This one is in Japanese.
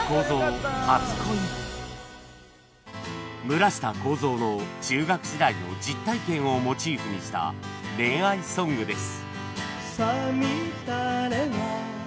村下孝蔵の中学時代の実体験をモチーフにした恋愛ソングです